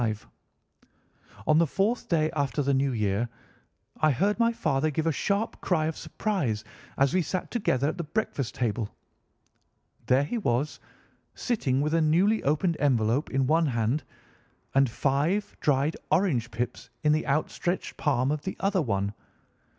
On the fourth day after the new year I heard my father give a sharp cry of surprise as we sat together at the breakfast table. There he was, sitting with a newly opened envelope in one hand and five dried orange pips in the outstretched palm of the other one.